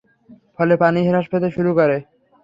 ফলে পানি হ্রাস পেতে শুরু করে।